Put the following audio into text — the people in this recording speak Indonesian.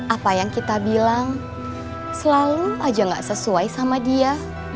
apa yang kita bilang selalu aja gak sesuai sama dia